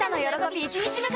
１日目から！！